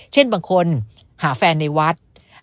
เช่นบางคนหาแฟนในวัด